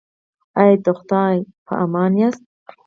ایا د خدای په امان یاست؟